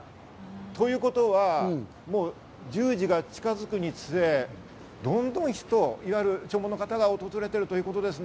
ということは、１０時が近づくにつれ、どんどん人、弔問の方が訪れているということです。